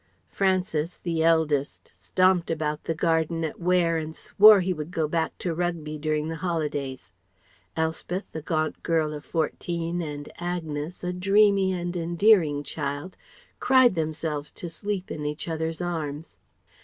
Francis, the eldest, stomped about the garden at Ware and swore he would go back to Rugby during the holidays; Elspeth, the gaunt girl of fourteen and Agnes, a dreamy and endearing child, cried themselves to sleep in each other's arms.